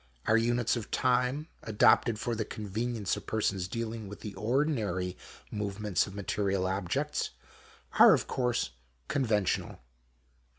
Our units of time, adopted for the convenience of persons dealing with the ordinary movements of material objects, are of course conventional.